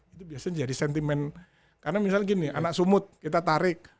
itu biasanya jadi sentimen karena misalnya gini anak sumut kita tarik